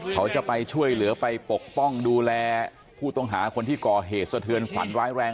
เขาจะไปช่วยเหลือไปปกป้องดูแลผู้ต้องหาคนที่ก่อเหตุสะเทือนขวัญร้ายแรง